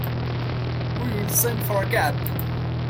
We will send for a cab.